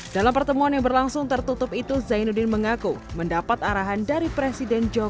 dalam pertemuan yang berlangsung tertutup itu zainuddin mengaku mendapat arahan dari presiden jokowi